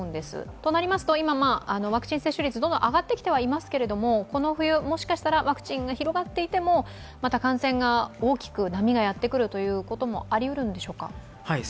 となりますと、今ワクチン接種率どんどん上がってきてはいますけどこの冬、もしかしたらワクチンが広がっていてもまた感染が大きく波がやってくることもありうるんでしょうか？